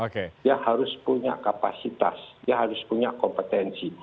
dia harus punya kapasitas dia harus punya kompetensi